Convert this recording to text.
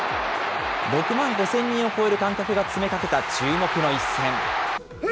６万５０００人を超える観客が詰めかけた注目の一戦。